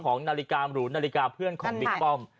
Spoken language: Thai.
นาฬิกาหรือนาฬิกาเพื่อนของบิ๊กป้อม